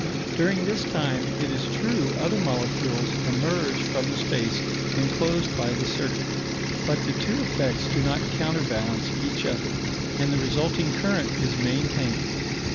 During this time, it is true, other molecules emerge from the space enclosed by the circuit; but the two effects do not counterbalance each other, and the resulting current is maintained.